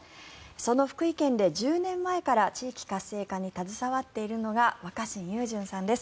その福井県で１０年前から地域活性化に携わっているのが若新雄純さんです。